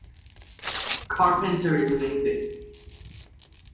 Carpenter is an atheist.